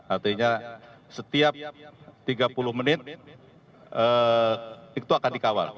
artinya setiap tiga puluh menit itu akan dikawal